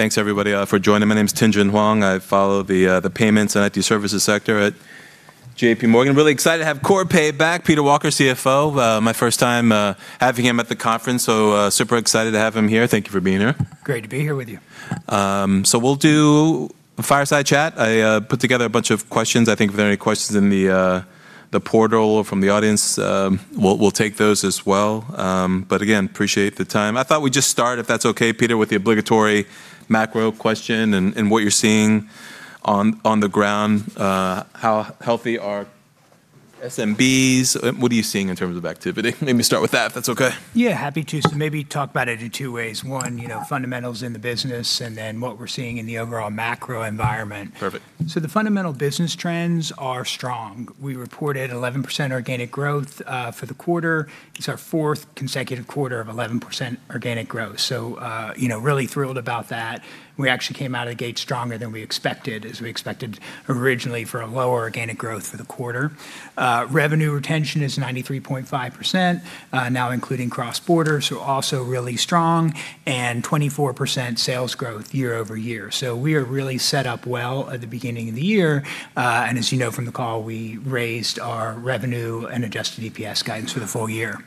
Thanks everybody for joining. My name's Tien-tsin Huang. I follow the payments and IT services sector at J.P. Morgan. Really excited to have Corpay back, Peter Walker, CFO. My first time having him at the conference, so super excited to have him here. Thank you for being here. Great to be here with you. We'll do a fireside chat. I put together a bunch of questions. I think if there are any questions in the portal or from the audience, we'll take those as well. Again, appreciate the time. I thought we'd just start, if that's okay, Peter, with the obligatory macro question and what you're seeing on the ground. How healthy are SMBs? What are you seeing in terms of activity? Maybe start with that, if that's okay. Yeah, happy to. Maybe talk about it in two ways. One, you know, fundamentals in the business and then what we're seeing in the overall macro environment. Perfect. The fundamental business trends are strong. We reported 11% organic growth for the quarter. It's our fourth consecutive quarter of 11% organic growth, you know, really thrilled about that. We actually came out of the gate stronger than we expected, as we expected originally for a lower organic growth for the quarter. Revenue retention is 93.5% now including cross-border, also really strong, and 24% sales growth year-over-year. We are really set up well at the beginning of the year. As you know from the call, we raised our revenue and adjusted EPS guidance for the full year.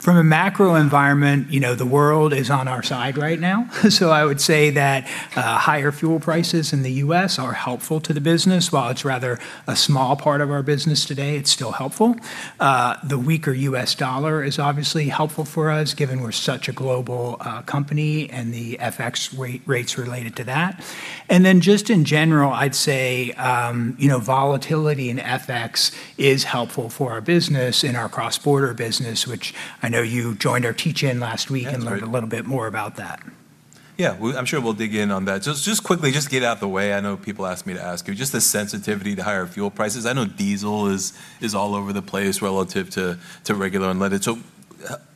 From a macro environment, you know, the world is on our side right now. I would say that higher fuel prices in the U.S. are helpful to the business. While it's rather a small part of our business today, it's still helpful. The weaker U.S. dollar is obviously helpful for us given we're such a global company and the FX rates related to that. Just in general, I'd say, you know, volatility in FX is helpful for our business in our cross-border business, which I know you joined our teach-in last week. That's right. learned a little bit more about that. Yeah. I'm sure we'll dig in on that. Just quickly, just to get it out the way, I know people ask me to ask you, just the sensitivity to higher fuel prices. I know diesel is all over the place relative to regular unleaded,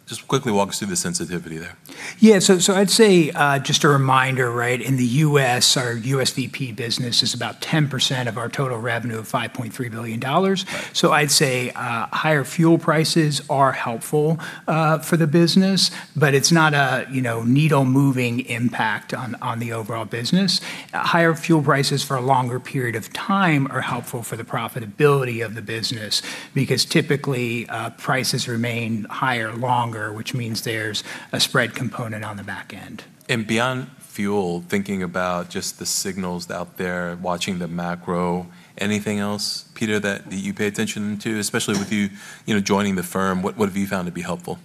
just quickly walk us through the sensitivity there. Yeah, I'd say, just a reminder, right, in the U.S., our USVP business is about 10% of our total revenue of $5.3 billion. Right. I'd say, higher fuel prices are helpful for the business, but it's not a, you know, needle-moving impact on the overall business. Higher fuel prices for a longer period of time are helpful for the profitability of the business because typically, prices remain higher longer, which means there's a spread component on the back end. Beyond fuel, thinking about just the signals out there, watching the macro, anything else, Peter, that you pay attention to? Especially with you know, joining the firm, what have you found to be helpful?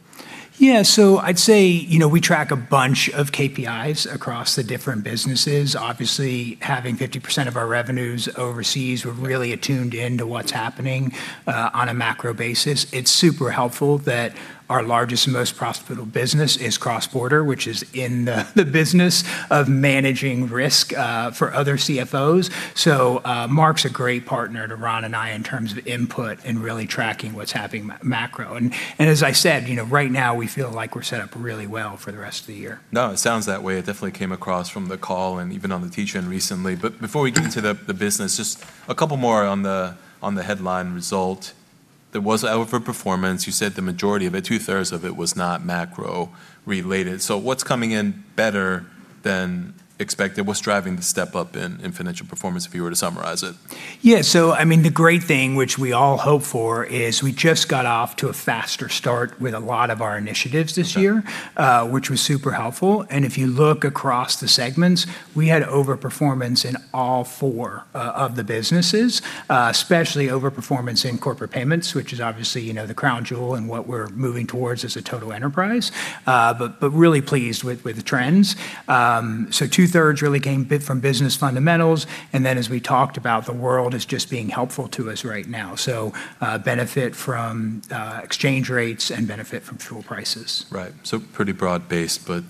I'd say, you know, we track a bunch of KPIs across the different businesses. Obviously, having 50% of our revenues overseas, we're really attuned into what's happening on a macro basis. It's super helpful that our largest and most profitable business is cross-border, which is in the business of managing risk for other CFOs. Mark's a great partner to Ron and I in terms of input and really tracking what's happening macro. As I said, you know, right now we feel like we're set up really well for the rest of the year. No, it sounds that way. It definitely came across from the call and even on the teach-in recently. Before we get into the business, just a couple more on the headline result. There was over performance. You said the majority of it, two-thirds of it was not macro-related. What's coming in better than expected? What's driving the step up in financial performance, if you were to summarize it? Yeah. I mean, the great thing which we all hope for is we just got off to a faster start with a lot of our initiatives this year. Okay which was super helpful. If you look across the segments, we had over performance in all four of the businesses, especially over performance in Corporate Payments, which is obviously, you know, the crown jewel and what we're moving towards as a total enterprise. Really pleased with the trends. Two-thirds really came bit from business fundamentals, and then as we talked about, the world is just being helpful to us right now. Benefit from exchange rates and benefit from fuel prices. Right. Pretty broad base, but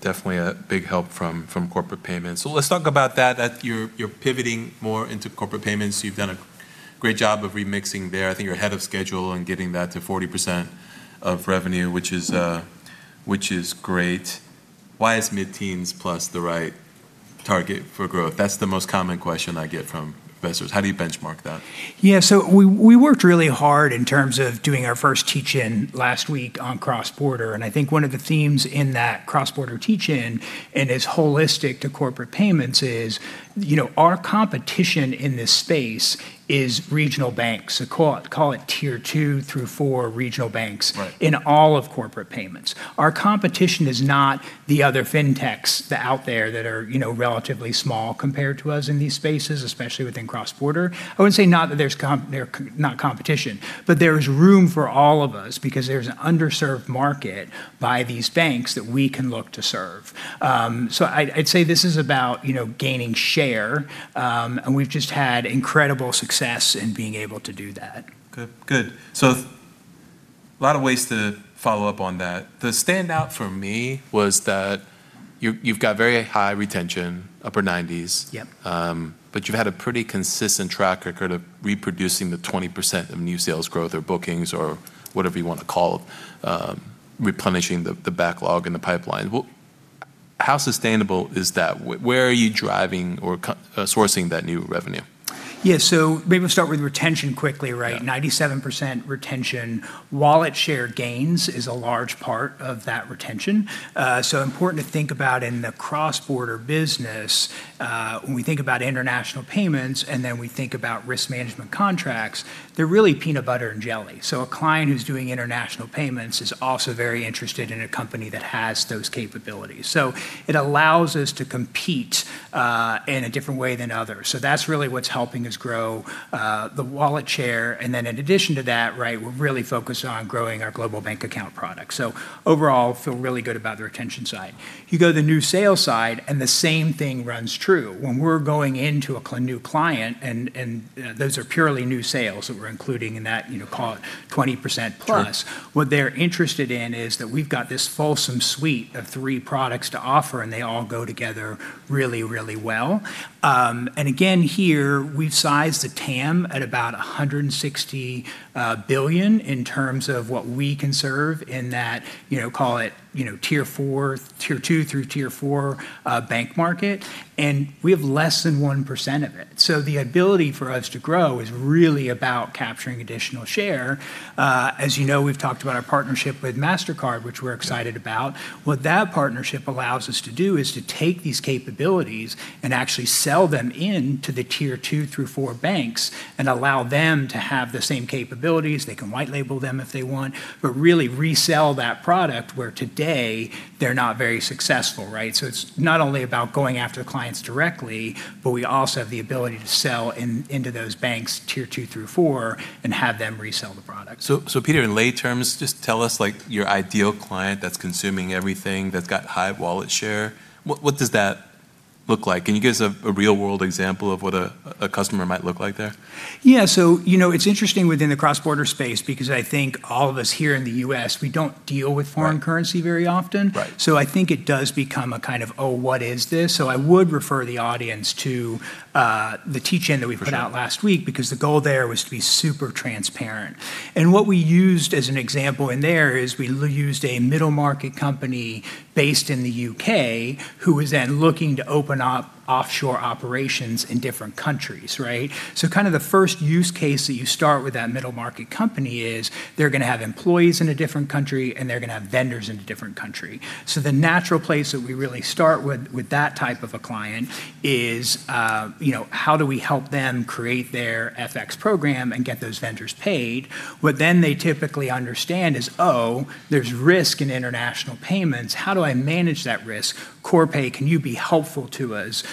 definitely a big help from corporate payments. Let's talk about that you're pivoting more into corporate payments. You've done a great job of remixing there. I think you're ahead of schedule in getting that to 40% of revenue, which is great. Why is mid-teens plus the right target for growth? That's the most common question I get from investors. How do you benchmark that? Yeah. We, we worked really hard in terms of doing our first teach-in last week on cross-border, and I think one of the themes in that cross-border teach-in, and it's holistic to corporate payments, is, you know, our competition in this space is regional banks. Call it tier 2 through 4 regional banks. Right in all of corporate payments. Our competition is not the other fintechs that are, you know, relatively small compared to us in these spaces, especially within cross-border. I wouldn't say not that there's not competition, but there is room for all of us because there's an underserved market by these banks that we can look to serve. I'd say this is about, you know, gaining share. We've just had incredible success in being able to do that. Good. Good. Lot of ways to follow up on that. The standout for me was that you've got very high retention, upper 90s. Yep. You've had a pretty consistent track record of reproducing the 20% of new sales growth or bookings or whatever you wanna call it, replenishing the backlog and the pipeline. How sustainable is that? Where are you driving or sourcing that new revenue? Yeah, maybe we'll start with retention quickly, right? Yeah. 97% retention. Wallet share gains is a large part of that retention. Important to think about in the cross-border business, when we think about international payments and then we think about risk management contracts, they're really peanut butter and jelly. A client who's doing international payments is also very interested in a company that has those capabilities. It allows us to compete, in a different way than others. That's really what's helping us grow, the wallet share. In addition to that, right, we're really focused on growing our global bank account product. Overall, feel really good about the retention side. You go to the new sales side. The same thing runs true. When we're going into a new client and, those are purely new sales that we're including in that, you know, call it 20%+. Sure What they're interested in is that we've got this fulsome suite of three products to offer and they all go together really, really well. Again, here we've sized the TAM at about $160 billion in terms of what we can serve in that, you know, call it, you know, tier two through tier four bank market. We have less than 1% of it. The ability for us to grow is really about capturing additional share. As you know, we've talked about our partnership with Mastercard, which we're excited about. What that partnership allows us to do is to take these capabilities and actually sell them into the tier two through four banks and allow them to have the same capabilities. They can white label them if they want, really resell that product where today they're not very successful, right? It's not only about going after the clients directly, but we also have the ability to sell in, into those banks, tier two through four, and have them resell the product. Peter, in lay terms, just tell us, like, your ideal client that's consuming everything, that's got high wallet share. What does that look like? Can you give us a real world example of what a customer might look like there? Yeah. You know, it's interesting within the cross-border space because I think all of us here in the U.S., we don't deal with foreign currency very often. Right, right. I think it does become a kind of, "Oh, what is this?" I would refer the audience to the teach-in that we put out. For sure. last week because the goal there was to be super transparent. What we used as an example in there is we used a middle market company based in the U.K. who is then looking to open up offshore operations in different countries, right? Kind of the first use case that you start with that middle market company is they're gonna have employees in a different country, and they're gonna have vendors in a different country. The natural place that we really start with that type of a client is, you know, how do we help them create their FX program and get those vendors paid? What then they typically understand is, "Oh, there's risk in international payments. How do I manage that risk? Corpay, can you be helpful to us,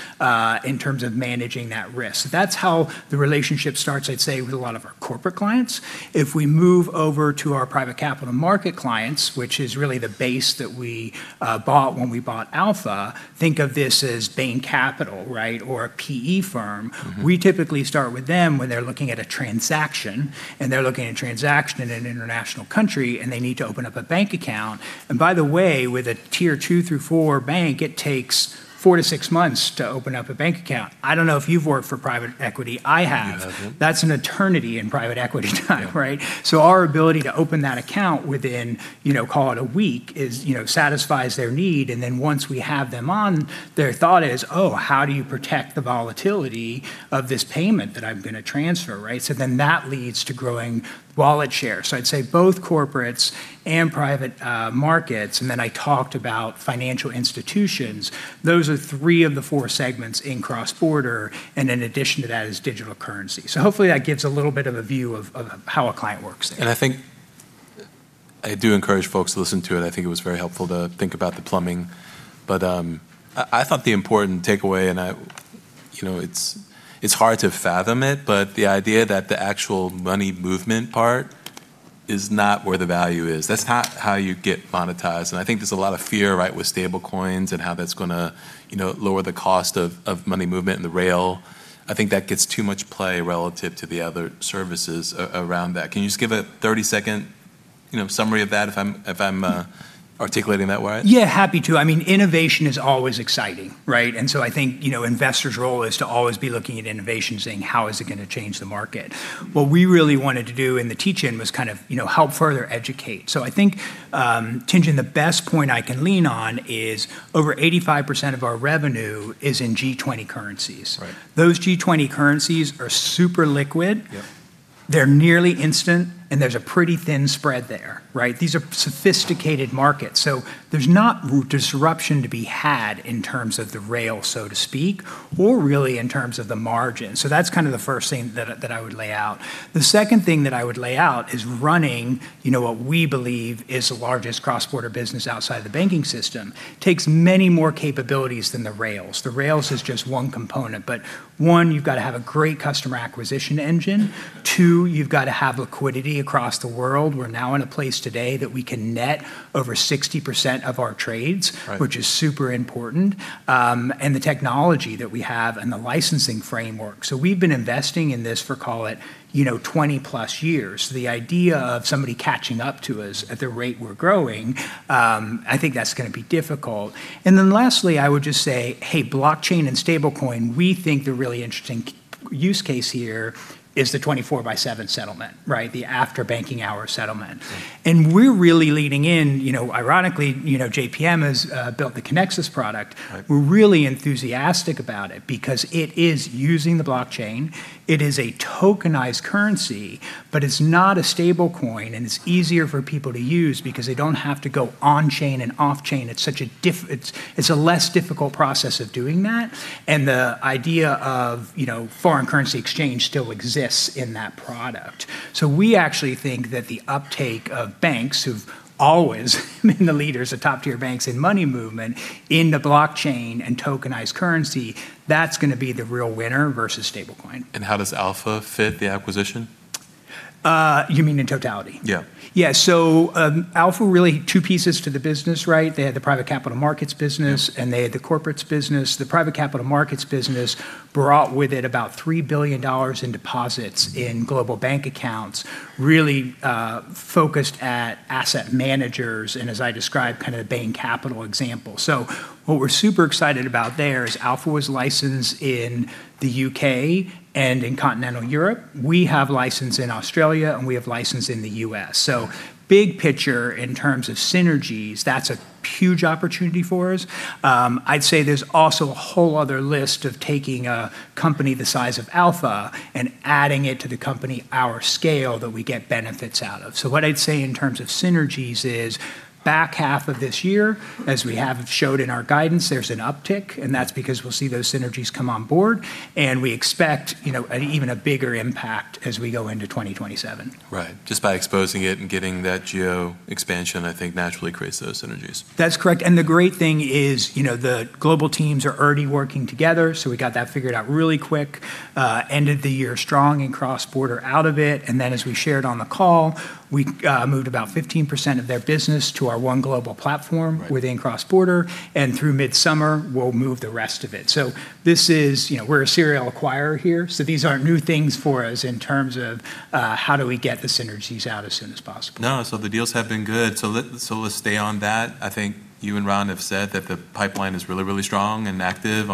in terms of managing that risk?" That's how the relationship starts, I'd say, with a lot of our corporate clients. If we move over to our private capital market clients, which is really the base that we bought when we bought Alpha, think of this as Bain Capital, right, or a PE firm. We typically start with them when they're looking at a transaction, and they're looking at a transaction in an international country, and they need to open up a bank account. By the way, with a tier two through four bank, it takes four to six months to open up a bank account. I don't know if you've worked for private equity. I have. You have, mm-hmm. That's an eternity in private equity time, right? Yeah. Our ability to open that account within, you know, call it one week is, you know, satisfies their need. Once we have them on, their thought is, "Oh, how do you protect the volatility of this payment that I'm gonna transfer," right? That leads to growing wallet share. I'd say both corporates and private, uh, markets, and then I talked about financial institutions, those are three of the four segments in cross-border, and in addition to that is digital currency. Hopefully that gives a little bit of a view of how a client works there. I think I do encourage folks to listen to it. I think it was very helpful to think about the plumbing, but I thought the important takeaway, and I, you know, it's hard to fathom it, but the idea that the actual money movement part is not where the value is. That's not how you get monetized. I think there's a lot of fear, right, with stablecoins and how that's gonna, you know, lower the cost of money movement and the rail. I think that gets too much play relative to the other services around that. Can you just give a 30-second, you know, summary of that if I'm articulating that right? Yeah, happy to. I mean, innovation is always exciting, right? I think, you know, investors' role is to always be looking at innovation, saying, "How is it gonna change the market?" What we really wanted to do in the teach-in was kind of, you know, help further educate. I think, Tien-tsin, the best point I can lean on is over 85% of our revenue is in G20 currencies. Right. Those G20 currencies are super liquid. Yep. They're nearly instant, there's a pretty thin spread there, right? These are sophisticated markets, so there's not disruption to be had in terms of the rail, so to speak, or really in terms of the margin. That's kind of the first thing that I would lay out. The second thing that I would lay out is running, you know, what we believe is the largest cross-border business outside the banking system takes many more capabilities than the rails. The rails is just one component. One, you've gotta have a great customer acquisition engine. Two, you've gotta have liquidity across the world. We're now in a place today that we can net over 60% of our trades- Right which is super important. The technology that we have and the licensing framework. We've been investing in this for, call it, you know, 20+ years. The idea of somebody catching up to us at the rate we're growing, I think that's gonna be difficult. Lastly, I would just say, hey, blockchain and stablecoin, we think they're really interesting. Use case here is the 24/7 settlement, right. The after banking hour settlement. Right. We're really leaning in, you know, ironically, you know, JPM has built the Kinexys product. Right. We're really enthusiastic about it because it is using the blockchain, it is a tokenized currency, but it's not a stablecoin, and it's easier for people to use because they don't have to go on-chain and off-chain. It's a less difficult process of doing that, and the idea of, you know, foreign currency exchange still exists in that product. We actually think that the uptake of banks, who've always been the leaders of top-tier banks in money movement, in the blockchain and tokenized currency, that's gonna be the real winner versus stablecoin. How does Alpha fit the acquisition? You mean in totality? Yeah. Yeah, Alpha really two pieces to the business, right? They had the private capital markets business. Yeah They had the corporate payments business. The private capital markets business brought with it about $3 billion in deposits in global bank accounts, really, focused at asset managers and, as I described, kind of the Bain Capital example. What we're super excited about there is Alpha was licensed in the U.K. and in continental Europe. We have license in Australia, and we have license in the U.S. Big picture in terms of synergies, that's a huge opportunity for us. I'd say there's also a whole other list of taking a company the size of Alpha and adding it to the company our scale that we get benefits out of. What I'd say in terms of synergies is back half of this year, as we have showed in our guidance, there's an uptick, and that's because we'll see those synergies come on board, and we expect, you know, an even a bigger impact as we go into 2027. Right. Just by exposing it and getting that geo expansion, I think naturally creates those synergies. That's correct, and the great thing is, you know, the global teams are already working together, so we got that figured out really quick. Ended the year strong in cross-border out of it. As we shared on the call, we moved about 15% of their business to our one global platform. Right within cross-border, and through midsummer, we'll move the rest of it. This is, you know, we're a serial acquirer here, so these aren't new things for us in terms of, how do we get the synergies out as soon as possible. The deals have been good. Let's stay on that. I think you and Ron Clarke have said that the pipeline is really strong and active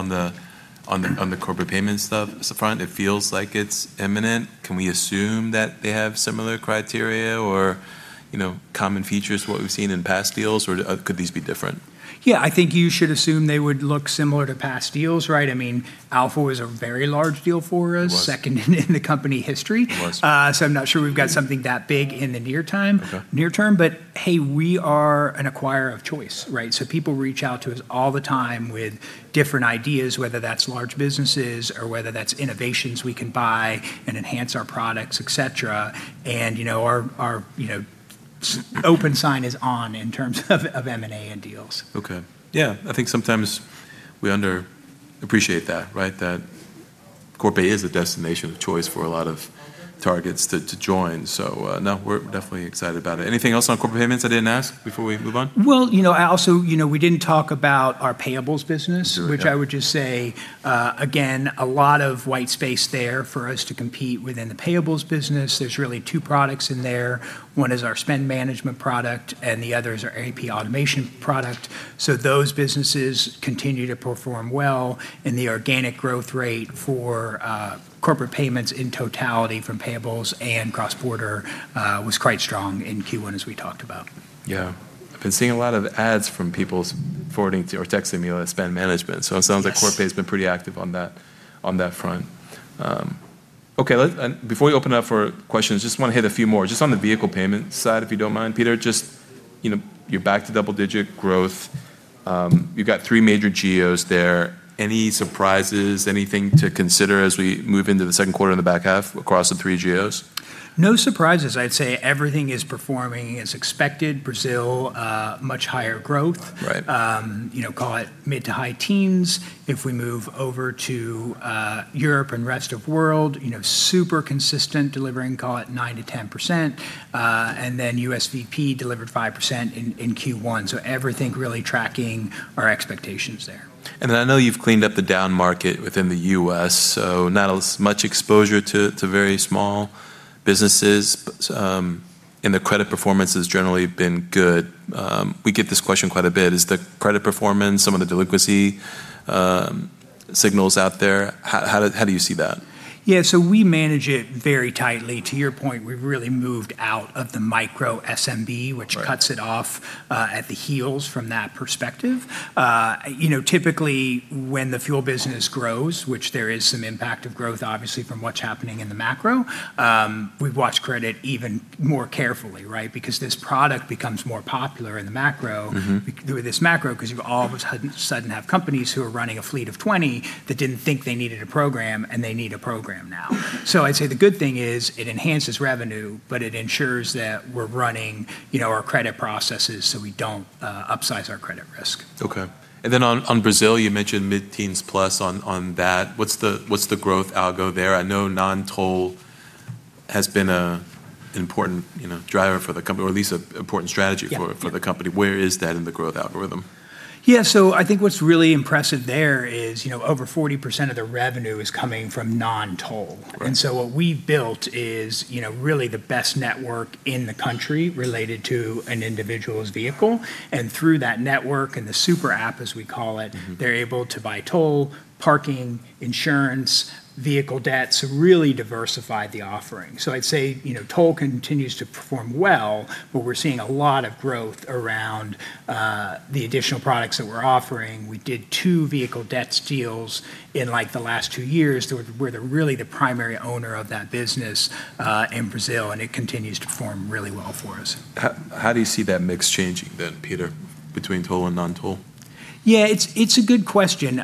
on the corporate payments front. It feels like it's imminent. Can we assume that they have similar criteria or, you know, common features to what we've seen in past deals, or could these be different? I think you should assume they would look similar to past deals, right? I mean, Alpha was a very large deal for us. It was. Second in the company history. It was. I'm not sure we've got something that big in the near time. Okay near term. Hey, we are an acquirer of choice, right? People reach out to us all the time with different ideas, whether that's large businesses or whether that's innovations we can buy and enhance our products, et cetera. You know, our, you know, open sign is on in terms of M&A and deals. Okay. Yeah, I think sometimes we under appreciate that, right? Corpay is a destination of choice for a lot of targets to join. No, we're definitely excited about it. Anything else on corporate payments I didn't ask before we move on? I also, you know, we didn't talk about our payables business. Sure, yeah. I would just say, again, a lot of white space there for us to compete within the payables business. There's really two products in there. One is our spend management product, and the other is our AP automation product. Those businesses continue to perform well, and the organic growth rate for corporate payments in totality from payables and cross-border was quite strong in Q1 as we talked about. Yeah. I've been seeing a lot of ads from people forwarding to or texting me let's spend management. Yes. It sounds like Corpay's been pretty active on that, on that front. Okay, before we open up for questions, I just want to hit a few more. Just on the vehicle payment side, if you don't mind, Peter, just, you know, you're back to double-digit growth. You've got three major geos there. Any surprises, anything to consider as we move into the second quarter in the back half across the three geos? No surprises. I'd say everything is performing as expected. Brazil, much higher growth. Right. You know, call it mid-to-high teens. If we move over to Europe and rest of world, you know, super consistent delivering, call it 9%-10%. USVP delivered 5% in Q1. Everything really tracking our expectations there. I know you've cleaned up the down market within the U.S., so not as much exposure to very small businesses. The credit performance has generally been good. We get this question quite a bit. Is the credit performance, some of the delinquency, signals out there, how do you see that? We manage it very tightly. To your point, we've really moved out of the micro SMB. Right which cuts it off at the heels from that perspective. You know, typically, when the fuel business grows, which there is some impact of growth obviously from what's happening in the macro, we've watched credit even more carefully, right? With this macro 'cause you all of a sudden have companies who are running a fleet of 20 that didn't think they needed a program, and they need a program now. I'd say the good thing is it enhances revenue, but it ensures that we're running, you know, our credit processes so we don't upsize our credit risk. Okay. Then on Brazil, you mentioned mid-teens plus on that. What's the growth algo there? I know non-toll has been an important, you know, driver for the company, or at least an important strategy for. Yeah for the company. Where is that in the growth algorithm? Yeah, I think what's really impressive there is, you know, over 40% of the revenue is coming from non-toll. Right. What we've built is, you know, really the best network in the country related to an individual's vehicle. Through that network, and the Super App as we call it. They're able to buy toll, parking, insurance, vehicle debt, really diversified the offering. I'd say, you know, toll continues to perform well, but we're seeing a lot of growth around the additional products that we're offering. We did two vehicle debt deals in, like, the last two years, we're really the primary owner of that business in Brazil, and it continues to perform really well for us. How do you see that mix changing then, Peter, between toll and non-toll? Yeah, it's a good question.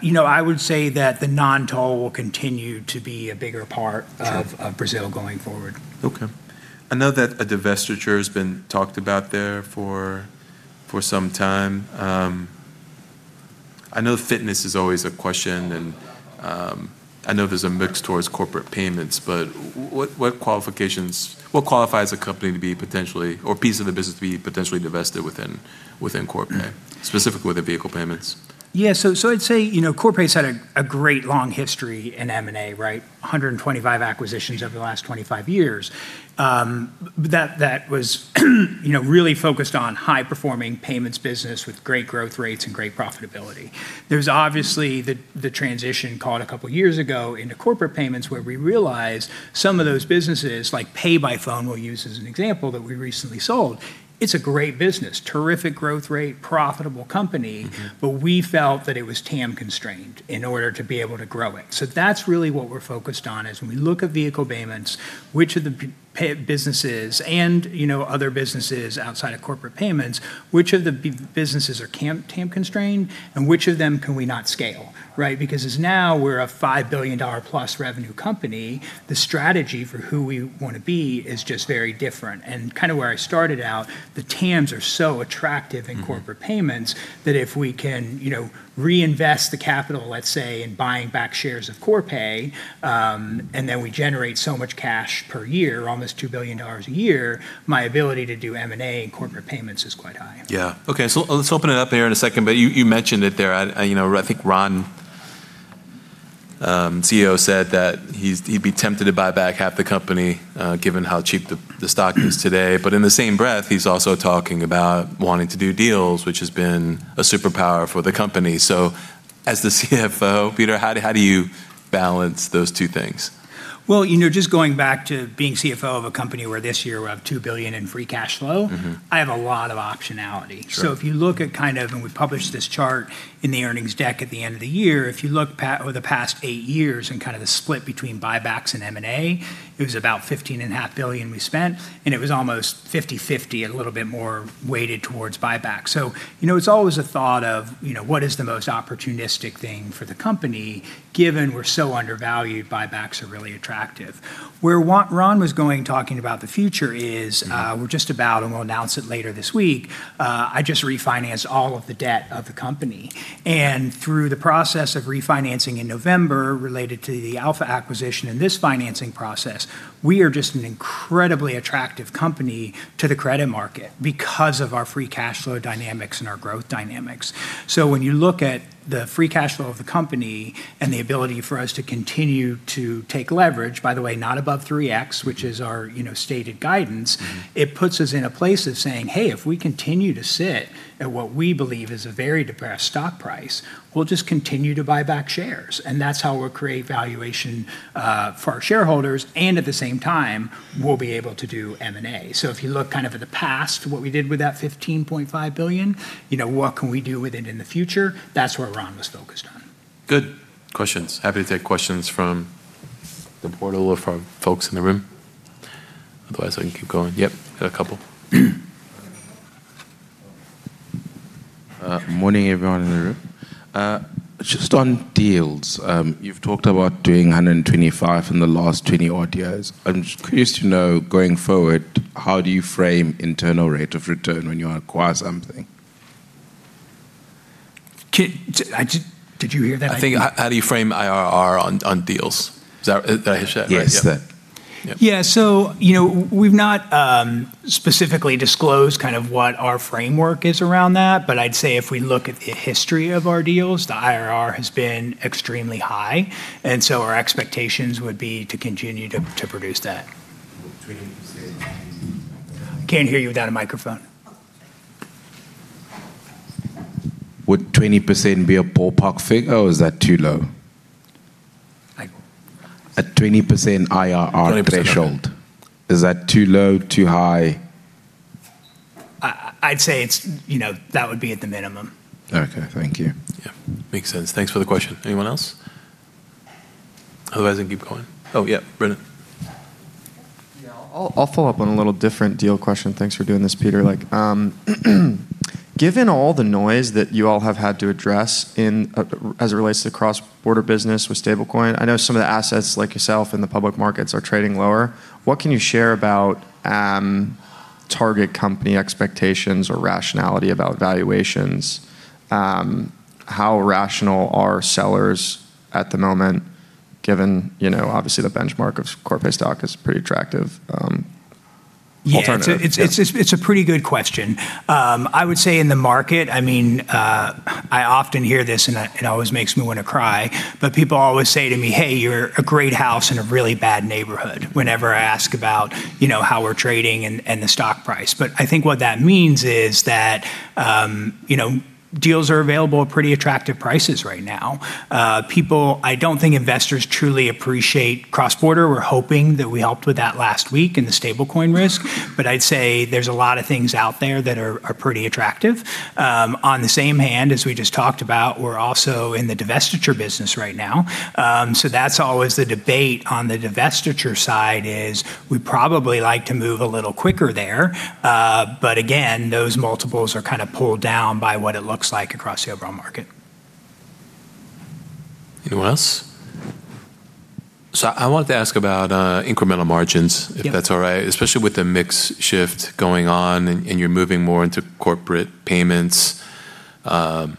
You know, I would say that the non-toll will continue to be a bigger part. Sure of Brazil going forward. Okay. I know that a divestiture has been talked about there for some time. I know fitness is always a question and I know there's a mix towards corporate payments, but what qualifications What qualifies a company to be potentially, or piece of the business to be potentially divested within Corpay? specifically with the vehicle payments? Yeah. I'd say, you know, Corpay's had a great long history in M&A, right? 125 acquisitions over the last 25 years. That was, you know, really focused on high-performing payments business with great growth rates and great profitability. There's obviously the transition call two years ago into corporate payments where we realized some of those businesses, like PayByPhone, we'll use as an example, that we recently sold. It's a great business, terrific growth rate, profitable company. We felt that it was TAM constrained in order to be able to grow it. That's really what we're focused on is when we look at vehicle payments, which of the pay businesses and, you know, other businesses outside of corporate payments, which of the businesses are TAM constrained, and which of them can we not scale, right? As now we're a $5 billion+ revenue company, the strategy for who we want to be is just very different. Kind of where I started out, the TAMs are so attractive in corporate payments that if we can, you know, reinvest the capital, let's say, in buying back shares of Corpay, we generate so much cash per year, almost $2 billion a year, my ability to do M&A and corporate payments is quite high. Yeah. Okay. Let's open it up here in a second, but you mentioned it there. You know, I think Ron Clarke, CEO, said that he's, he'd be tempted to buy back half the company given how cheap the stock is today. In the same breath, he's also talking about wanting to do deals, which has been a superpower for the company. As the CFO, Peter, how do you balance those two things? Well, you know, just going back to being CFO of a company where this year we're up $2 billion in free cash flow. I have a lot of optionality. Sure. If you look at kind of, and we published this chart in the earnings deck at the end of the year, if you look over the past eight years and kind of the split between buybacks and M&A, it was about $15.5 billion we spent, and it was almost 50/50, a little bit more weighted towards buyback. You know, it's always a thought of, you know, what is the most opportunistic thing for the company? Given we're so undervalued, buybacks are really attractive. We're just about, and we'll announce it later this week, I just refinanced all of the debt of the company. Through the process of refinancing in November related to the Alpha acquisition and this financing process, we are just an incredibly attractive company to the credit market because of our free cash flow dynamics and our growth dynamics. When you look at the free cash flow of the company and the ability for us to continue to take leverage, by the way, not above 3x, which is our, you know, stated guidance. It puts us in a place of saying, "Hey, if we continue to sit at what we believe is a very depressed stock price, we'll just continue to buy back shares." That's how we'll create valuation for our shareholders, and at the same time, we'll be able to do M&A. If you look kind of at the past, what we did with that $15.5 billion, you know, what can we do with it in the future, that's where Ron was focused on. Good. Questions. Happy to take questions from the portal or from folks in the room. Otherwise, I can keep going. Yep. Got a couple. Morning, everyone in the room. Just on deals, you've talked about doing 125 in the last 20 odd years. I'm just curious to know, going forward, how do you frame internal rate of return when you acquire something? Did you hear that? I think, how do you frame IRR on deals? Did I hear that right? Yes. That. Yeah. Yeah. You know, we've not specifically disclosed kind of what our framework is around that, but I'd say if we look at the history of our deals, the IRR has been extremely high, and so our expectations would be to continue to produce that. Would 20% be- I can't hear you without a microphone. Oh. Would 20% be a ballpark figure or is that too low? Like- A 20% IRR threshold. 20% IRR. Is that too low, too high? I'd say it's, you know, that would be at the minimum. Okay. Thank you. Yeah. Makes sense. Thanks for the question. Anyone else? Otherwise, I can keep going. Oh, yeah, Brendan. Yeah. I'll follow up on a little different deal question. Thanks for doing this, Peter. Like, given all the noise that you all have had to address in as it relates to cross-border business with Stablecoin, I know some of the assets like yourself in the public markets are trading lower. What can you share about target company expectations or rationality about valuations? How rational are sellers at the moment given, you know, obviously the benchmark of Corpay stock is pretty attractive? Yeah. It's a pretty good question. I would say in the market, I mean, I often hear this and it always makes me wanna cry, people always say to me, "Hey, you're a great house in a really bad neighborhood," whenever I ask about, you know, how we're trading and the stock price. I think what that means is that, you know, deals are available at pretty attractive prices right now. I don't think investors truly appreciate cross-border. We're hoping that we helped with that last week in the stablecoin risk. I'd say there's a lot of things out there that are pretty attractive. On the same hand, as we just talked about, we're also in the divestiture business right now. That's always the debate on the divestiture side is we'd probably like to move a little quicker there. Again, those multiples are kinda pulled down by what it looks like across the overall market. Anyone else? I wanted to ask about incremental margins? Yeah if that's all right, especially with the mix shift going on and you're moving more into corporate payments. I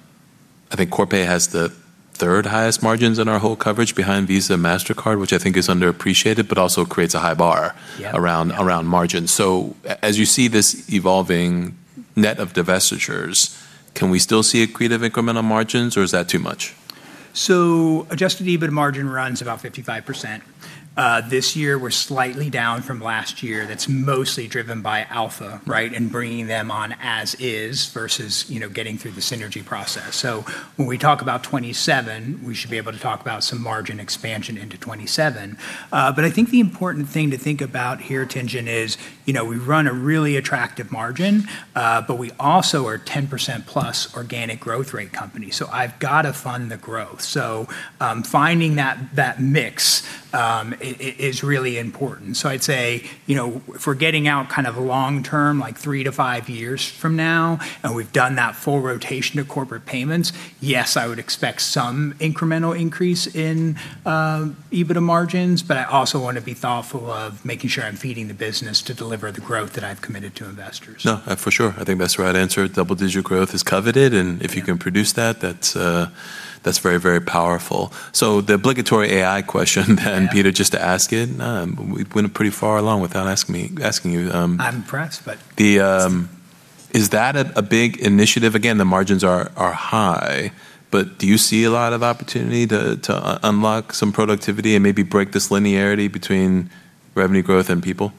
think Corpay has the third-highest margins in our whole coverage behind Visa and Mastercard, which I think is underappreciated, but also creates a high bar. Yeah. Yeah around margins. As you see this evolving net of divestitures, can we still see accretive incremental margins, or is that too much? Adjusted EBIT margin runs about 55%. This year we're slightly down from last year. That's mostly driven by Alpha, right? Bringing them on as is versus, you know, getting through the synergy process. When we talk about 2027, we should be able to talk about some margin expansion into 2027. I think the important thing to think about here, Tien-tsin, is, you know, we run a really attractive margin, but we also are 10% plus organic growth rate company. I've gotta fund the growth. Finding that mix is really important. I'd say, you know, for getting out kind of long term, like three to five years from now, and we've done that full rotation of corporate payments, yes, I would expect some incremental increase in EBITDA margins, but I also wanna be thoughtful of making sure I'm feeding the business to deliver the growth that I've committed to investors. No, for sure. I think that's the right answer. Double-digit growth is coveted, and if you can produce that's very, very powerful. The obligatory AI question then? Yeah Peter, just to ask it, we've went pretty far along without asking you. I'm impressed. Is that a big initiative? The margins are high, but do you see a lot of opportunity to unlock some productivity and maybe break this linearity between revenue growth and people?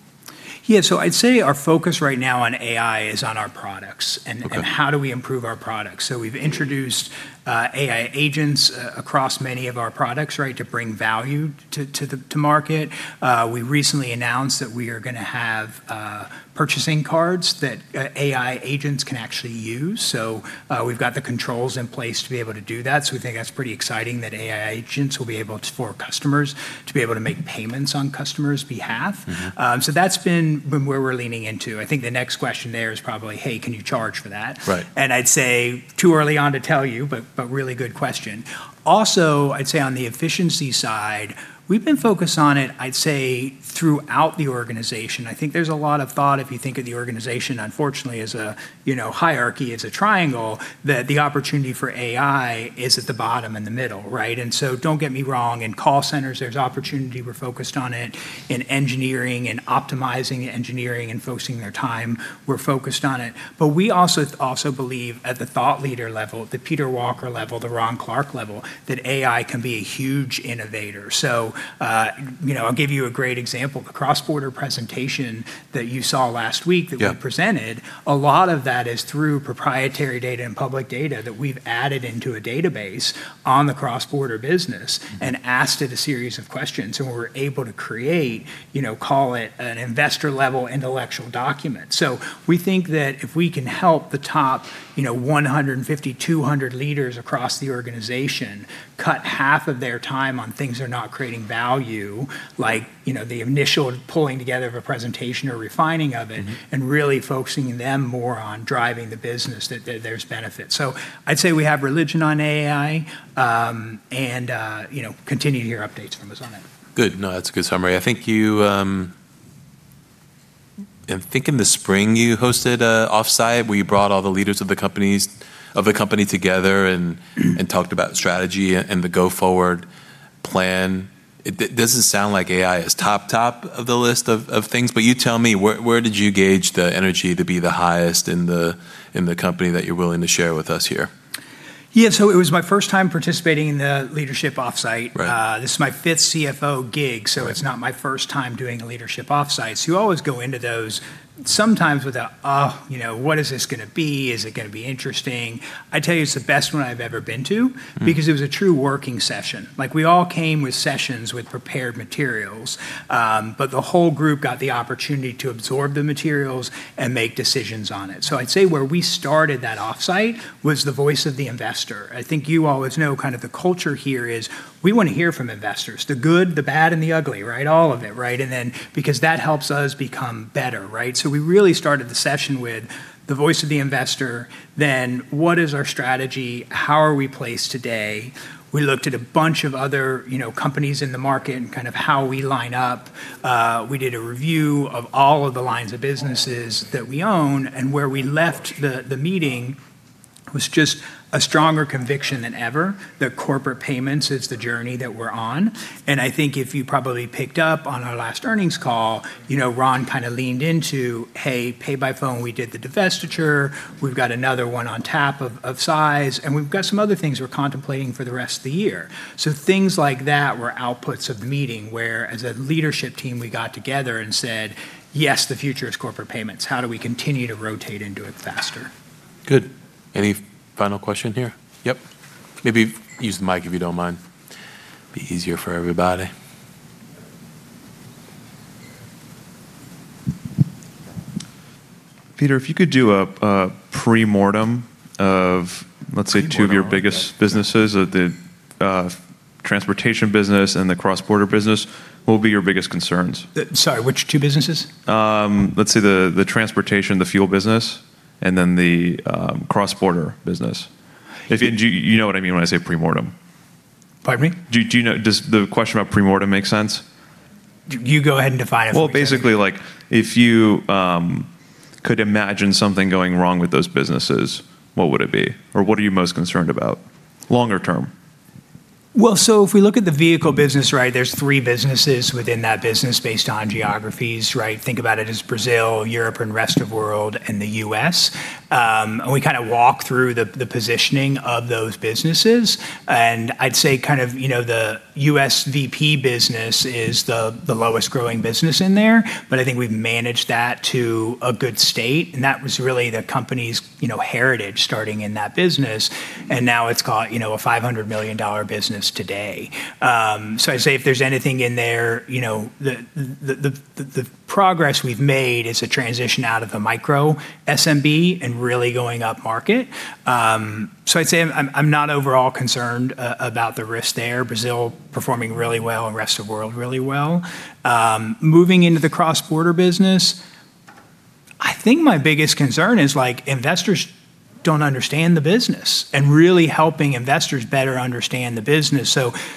Yeah. I'd say our focus right now on AI is on our products. Okay How do we improve our products. We've introduced AI agents across many of our products, right? To bring value to market. We recently announced that we are gonna have purchasing cards that AI agents can actually use. We've got the controls in place to be able to do that, so we think that's pretty exciting, that AI agents will be able to make payments on customers' behalf. That's been where we're leaning into. I think the next question there is probably, "Hey, can you charge for that? Right. I'd say too early on to tell you, but really good question. I'd say on the efficiency side, we've been focused on it throughout the organization. I think there's a lot of thought, if you think of the organization, unfortunately, as a hierarchy, as a triangle, that the opportunity for AI is at the bottom and the middle, right? Don't get me wrong, in call centers there's opportunity. We're focused on it. In engineering, in optimizing engineering and focusing their time, we're focused on it. We also believe at the thought leader level, the Peter Walker level, the Ron Clarke level, that AI can be a huge innovator. I'll give you a great example. The cross-border presentation that you saw last week. Yeah that we presented, a lot of that is through proprietary data and public data that we've added into a database on the cross-border business. Asked it a series of questions. We were able to create, you know, call it an investor-level intellectual document. We think that if we can help the top, you know, 150, 200 leaders across the organization cut half of their time on things that are not creating value, like, you know, the initial pulling together of a presentation or refining of it. really focusing them more on driving the business, that there's benefit. I'd say we have religion on AI. You know, continue to hear updates from us on that. Good. No, that's a good summary. I think you, I think in the spring you hosted a offsite where you brought all the leaders of the company together and talked about strategy and the go-forward plan. It doesn't sound like AI is top of the list of things, but you tell me, where did you gauge the energy to be the highest in the company that you're willing to share with us here? Yeah. It was my first time participating in the leadership offsite. Right. This is my fifth CFO gig, so it's not my first time doing a leadership offsite. You always go into those sometimes with a, "You know, what is this gonna be? Is it gonna be interesting?" I tell you, it's the best one I've ever been to. because it was a true working session. Like, we all came with sessions with prepared materials, but the whole group got the opportunity to absorb the materials and make decisions on it. I'd say where we started that offsite was the voice of the investor. I think you always know kind of the culture here is we wanna hear from investors, the good, the bad, and the ugly, right? All of it, right? Because that helps us become better, right? We really started the session with the voice of the investor, then what is our strategy? How are we placed today? We looked at a bunch of other, you know, companies in the market and kind of how we line up. We did a review of all of the lines of businesses that we own. Where we left the meeting was just a stronger conviction than ever that corporate payments is the journey that we're on. I think if you probably picked up on our last earnings call, you know, Ron kind of leaned into, "Hey, PayByPhone, we did the divestiture. We've got another one on tap of size, and we've got some other things we're contemplating for the rest of the year." Things like that were outputs of the meeting, where as a leadership team, we got together and said, "Yes, the future is corporate payments. How do we continue to rotate into it faster? Good. Any final question here? Yep. Maybe use the mic if you don't mind. Be easier for everybody. Peter, if you could do a pre-mortem. Pre-mortem let's say two of your biggest businesses, the, transportation business and the cross-border business, what would be your biggest concerns? Sorry, which two businesses? Let's say the transportation, the fuel business, and then the cross-border business. Do you know what I mean when I say pre-mortem? Pardon me? Do you know Does the question about pre-mortem make sense? You go ahead and define it for me. Well, basically, like, if you could imagine something going wrong with those businesses, what would it be? What are you most concerned about longer term? If we look at the vehicle business, right, there's three businesses within that business based on geographies, right? Think about it as Brazil, Europe, and rest of world, and the U.S. And we kind of walk through the positioning of those businesses. I'd say kind of, you know, the USVP business is the lowest growing business in there, but I think we've managed that to a good state, and that was really the company's, you know, heritage starting in that business. Now it's got, you know, a $500 million business today. I'd say if there's anything in there, you know, the progress we've made is a transition out of the micro SMB and really going upmarket. I'd say I'm not overall concerned about the risk there. Brazil performing really well, rest of world really well. Moving into the cross-border business, I think my biggest concern is, like, investors don't understand the business, and really helping investors better understand the business.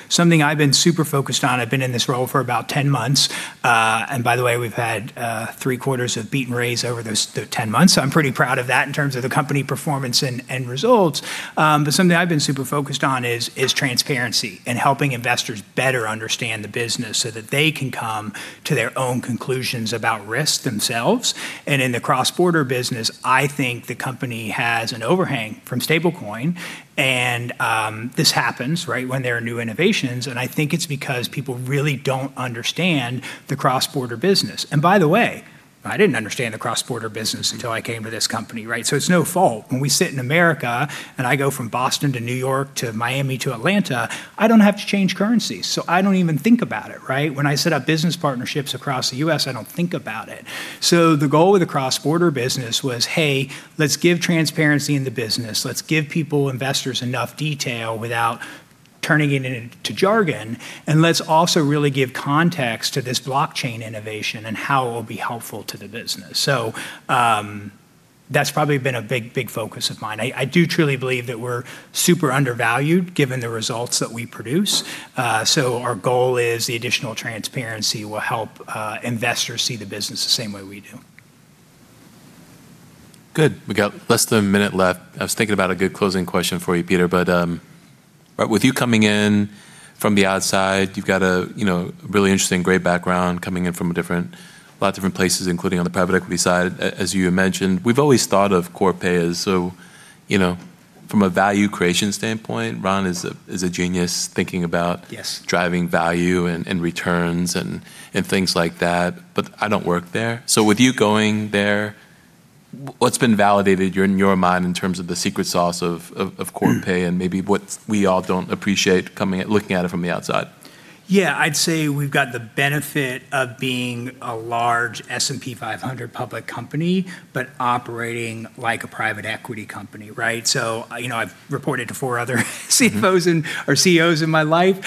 Something I've been super focused on, I've been in this role for about 10 months. By the way, we've had three quarters of beat and raise over those, the 10 months, so I'm pretty proud of that in terms of the company performance and results. Something I've been super focused on is transparency and helping investors better understand the business so that they can come to their own conclusions about risks themselves. In the cross-border business, I think the company has an overhang from Stablecoin, and this happens, right, when there are new innovations, and I think it's because people really don't understand the cross-border business. By the way, I didn't understand the cross-border business until I came to this company, right? It's no fault. When we sit in America and I go from Boston to New York to Miami to Atlanta, I don't have to change currencies, so I don't even think about it, right? When I set up business partnerships across the U.S., I don't think about it. The goal with the cross-border business was, hey, let's give transparency in the business. Let's give people, investors enough detail without turning it into jargon, and let's also really give context to this blockchain innovation and how it will be helpful to the business. That's probably been a big focus of mine. I do truly believe that we're super undervalued given the results that we produce. Our goal is the additional transparency will help investors see the business the same way we do. Good. We got less than one minute left. I was thinking about a good closing question for you, Peter, but with you coming in from the outside, you've got a, you know, really interesting, great background coming in from a different, a lot of different places, including on the private equity side. As you mentioned, we've always thought of Corpay as so, you know, from a value creation standpoint, Ron is a genius thinking about. Yes driving value and returns and things like that. I don't work there. With you going there, what's been validated in your mind in terms of the secret sauce of Corpay and maybe what we all don't appreciate looking at it from the outside? Yeah. I'd say we've got the benefit of being a large S&P 500 public company, but operating like a private equity company, right? You know, I've reported to four other CFOs or CEOs in my life.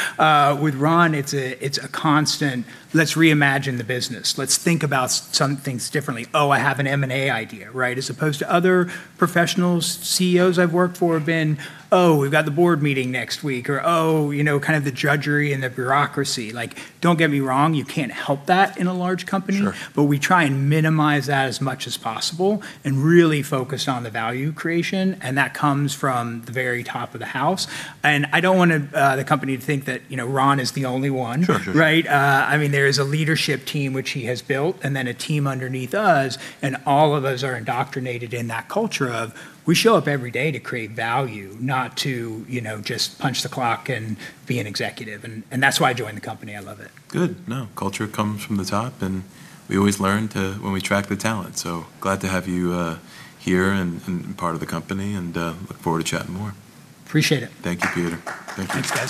With Ron, it's a constant, "Let's reimagine the business. Let's think about some things differently. Oh, I have an M&A idea," right? As opposed to other professionals, CEOs I've worked for have been, "Oh, we've got the board meeting next week," or, "Oh," you know, kind of the drudgery and the bureaucracy. Like, don't get me wrong, you can't help that in a large company. Sure. We try and minimize that as much as possible and really focus on the value creation, that comes from the very top of the house. I don't want the company to think that, you know, Ron is the only one. Sure, sure. Right? I mean, there is a leadership team which he has built and then a team underneath us, and all of us are indoctrinated in that culture of we show up every day to create value, not to, you know, just punch the clock and be an executive. That's why I joined the company. I love it. Good. No. Culture comes from the top, and we always learn to when we track the talent. Glad to have you here and part of the company and look forward to chatting more. Appreciate it. Thank you, Peter. Thank you. Thanks, guys.